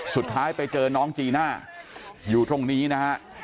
สุดท้ายไปเจอน้องจีน่าอยู่ตรงนี้นะฮะ